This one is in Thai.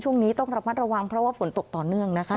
ช่วงนี้ต้องระมัดระวังเพราะว่าฝนตกต่อเนื่องนะคะ